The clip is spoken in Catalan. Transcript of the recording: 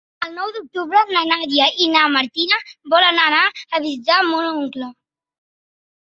El nou d'octubre na Nàdia i na Martina volen anar a visitar mon oncle.